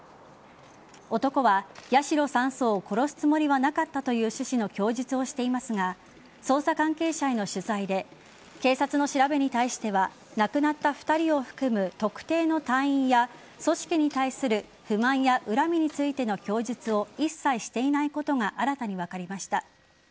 男は八代３曹を殺すつもりはなかったという趣旨の供述をしていますが捜査関係者への取材で警察の調べに対しては亡くなった２人を含む特定の隊員や組織に対する不満や恨みについての供述を一切していないことが新たに分かりました。